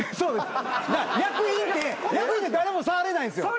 薬品って誰も触れないんですよ。